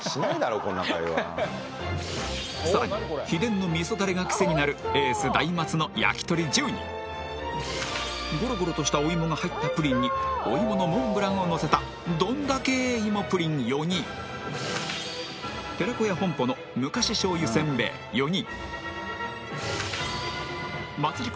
さらに秘伝の味噌ダレが癖になるエース大松の焼き鳥１０人ゴロゴロとしたお芋が入ったプリンにお芋のモンブランをのせたどんだけ芋プリン４人寺子屋本舗の昔醤油せんべい４人松陸